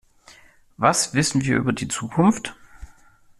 Was wissen wir über die Zukunft?